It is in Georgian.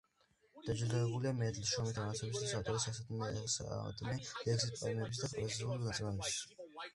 დაჯილდოებულია მედლით შრომითი მამაცობისთვის, ავტორია ასამდე ლექსის, პოემების და პროზაული ნაწარმოებების.